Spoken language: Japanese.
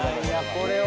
これは。